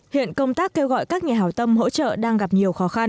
hiện công tác kêu gọi các nhà hảo tâm hỗ trợ đang gặp nhiều khó khăn